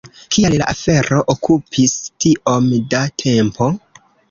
Kial la afero okupis tiom da tempo?